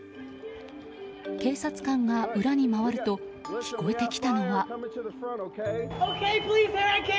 警察官が裏に回ると聞こえてきたのは。